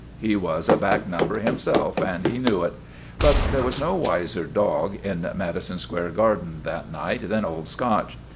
He was a back num ber himself, and he knew it. But there was no wiser dog in Madison Square Garden that night than Old Scotch.